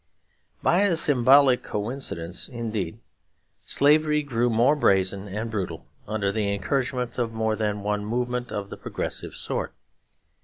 By a symbolic coincidence, indeed, slavery grew more brazen and brutal under the encouragement of more than one movement of the progressive sort.